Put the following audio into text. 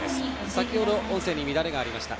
先ほど、音声に乱れがありました。